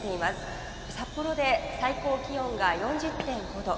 札幌で最高気温が４０．５度。